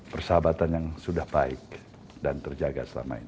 persahabatan yang sudah baik dan terjaga selama ini